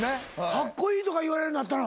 カッコイイとか言われるようになったの？